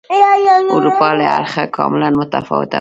اروپا له اړخه کاملا متفاوته وه.